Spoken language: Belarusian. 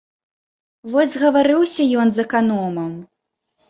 Вось згаварыўся ён з аканомам.